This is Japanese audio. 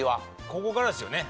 ここからですよね。